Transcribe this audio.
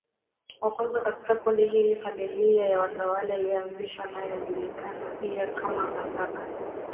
wa kwanza katika kundi hili Familia ya watawala iliyoanzishwa naye hujulikana pia kama nasaba